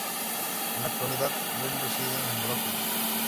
En la actualidad, Renn reside en Brooklyn.